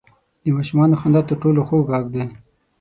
• د ماشومانو خندا تر ټولو خوږ ږغ دی.